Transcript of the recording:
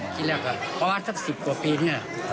ที่เรียกว่าป๊าสักสิบกว่าปีเนี่ย